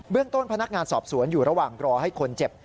ต้นพนักงานสอบสวนอยู่ระหว่างรอให้คนเจ็บ